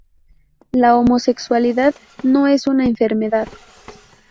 La homosexualidad no es una enfermedad.